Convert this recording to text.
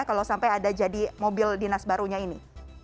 kalau sampai ada jadi mobil dinas barunya ini